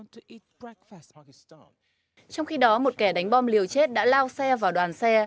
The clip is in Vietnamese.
trong khi đó một kẻ đánh bom liều chết đã lao xe vào đoàn xe